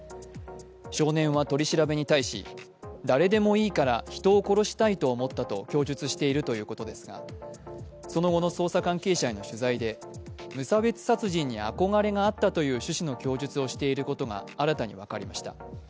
少年は取り調べに対し、誰でもいいから人を殺したいと思ったと供述しているということですがその後の捜査関係者への取材で無差別殺人に憧れがあったという趣旨の供述をしていることが新たに分かりました。